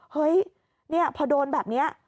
เฮ้ยพอโดนแบบนี้